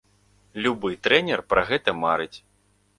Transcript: Любы трэнер пра гэта марыць.